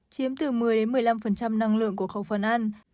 chiếm từ một mươi một mươi năm năng lượng của khẩu phần ăn